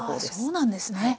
そうなんですね。